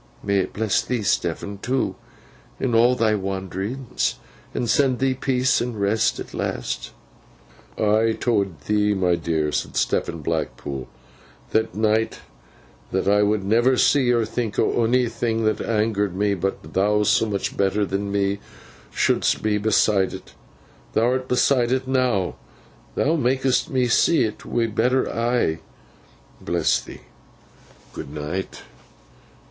'May it bless thee, Stephen, too, in all thy wanderings, and send thee peace and rest at last!' 'I towd thee, my dear,' said Stephen Blackpool—'that night—that I would never see or think o' onnything that angered me, but thou, so much better than me, should'st be beside it. Thou'rt beside it now. Thou mak'st me see it wi' a better eye. Bless thee. Good night.